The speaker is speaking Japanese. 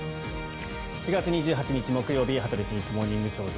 ４月２８日、木曜日「羽鳥慎一モーニングショー」。